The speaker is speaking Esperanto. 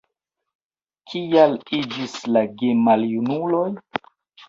Kiaj iĝis la gemaljunuloj?